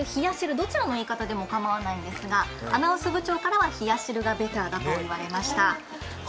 どちらでもいいんですが、アナウンス部長からは「ひやしる」がベターだと言われました。